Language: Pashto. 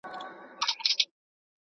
مونږ بايد پښتو ژبې ته خدمت وکړو.